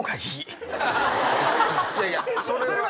いやいやそれは。